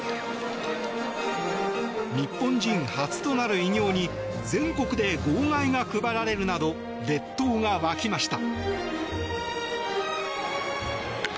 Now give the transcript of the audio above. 日本人初となる偉業に全国で号外が配られるなど列島が沸きました。